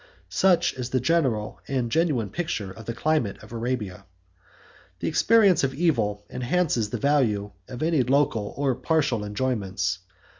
Such is the general and genuine picture of the climate of Arabia. The experience of evil enhances the value of any local or partial enjoyments.